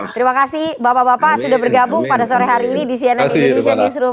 terima kasih bapak bapak sudah bergabung pada sore hari ini di cnn indonesia newsroom